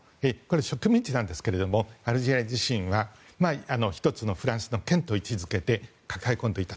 植民地なんですけどアルジェリア自身は１つのフランスの県と位置付けて抱え込んでいた。